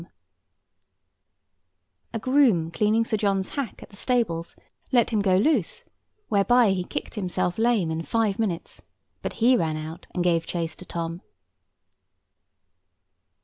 [Picture: The diarymaid] A groom cleaning Sir John's hack at the stables let him go loose, whereby he kicked himself lame in five minutes; but he ran out and gave chase to Tom.